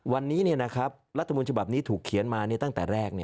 วันนี้รัฐมนต์ฉบับนี้ถูกเขียนมาตั้งแต่แรก